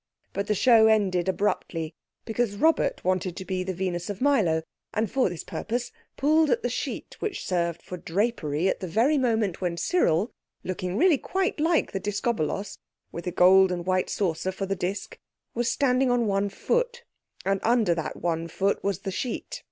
But the show ended abruptly because Robert wanted to be the Venus of Milo, and for this purpose pulled at the sheet which served for drapery at the very moment when Cyril, looking really quite like the Discobolos—with a gold and white saucer for the disc—was standing on one foot, and under that one foot was the sheet.